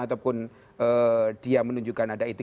ataupun dia menunjukkan ada itu ya